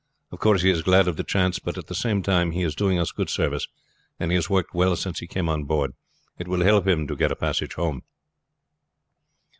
Of course he is glad of the chance; but at the same time he is doing us good service, and he has worked well since he came on board. It will help him to get a passage home."